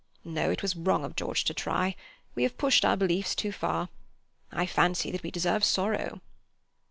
No, it was wrong of George to try. We have pushed our beliefs too far. I fancy that we deserve sorrow."